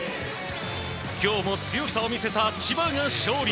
今日も強さを見せた千葉が勝利。